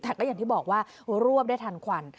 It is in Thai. แต่ก็อย่างที่บอกว่ารวบได้ทันควัน